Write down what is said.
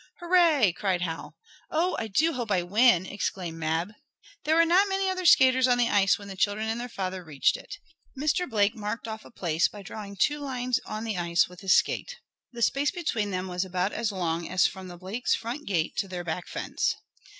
"Hurray!" cried Hal. "Oh, I do hope I win!" exclaimed Mab. There were not many other skaters on the ice when the children and their father reached it Mr. Blake marked off a place, by drawing two lines on the ice with his skate. The space between them was about as long as from the Blake's front gate to their back fence.